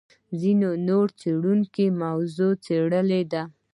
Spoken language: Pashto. ځینې نور څېړونکي موضوع څېړلې ده.